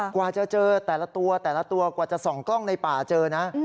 กว่าจะเจอแต่ละตัวจะนั่งกร้องในป่าเจอนะ